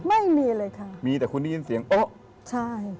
ไม่มีเลยค่ะ